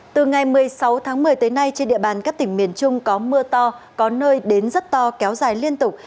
từ ngày một mươi sáu tháng một mươi tới nay trên địa bàn các tỉnh miền trung có mưa to có nơi đến rất to kéo dài liên tục